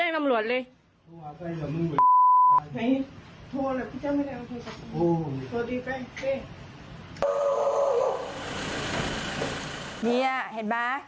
เนี่ยเห็นป่ะ